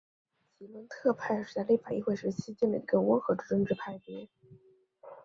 吉伦特派是在立法议会时期建立的一个温和的政治派别。